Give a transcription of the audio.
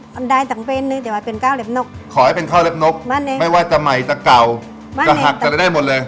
ขอให้เป็นข้าวเล็บนกไม่ว่าจะใหม่จะเก่าจะหักจะได้หมดเลย